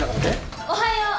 おはよう。